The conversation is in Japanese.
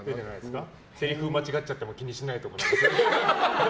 せりふを間違っちゃっても気にしないとか。